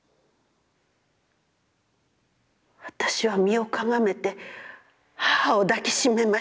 私は身をかがめて母を抱きしめました。